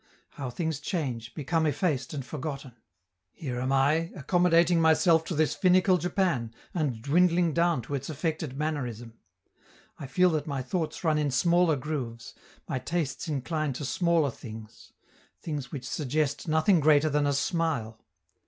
How things change, become effaced and forgotten! Here am I, accommodating myself to this finical Japan and dwindling down to its affected mannerism; I feel that my thoughts run in smaller grooves, my tastes incline to smaller things things which suggest nothing greater than a smile.